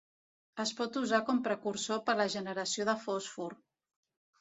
Es pot usar com precursor per la generació de fòsfor.